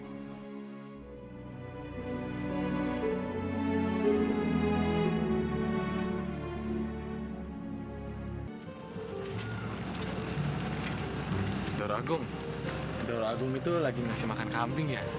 md agung md agung itu lagi masih makan kambing ya